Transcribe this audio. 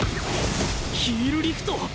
ヒールリフト！？